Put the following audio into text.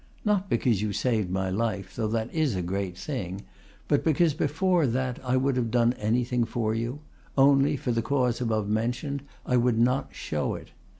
Not because you saved my life, though that is a great thing, but because before that I would have done anything for you; only, for the cause above mentioned, I would not show it.